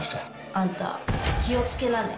あんた気を付けなね。